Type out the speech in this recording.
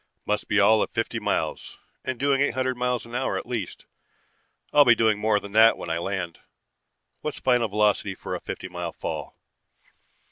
Must be all of fifty miles, and doing eight hundred miles an hour at least. I'll be doing more than that when I land. What's final velocity for a fifty mile fall?